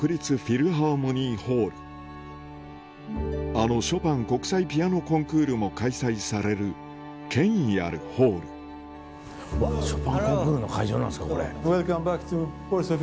あのショパン国際ピアノコンクールも開催される権威あるホールショパンコンクールの会場なんですかこれ。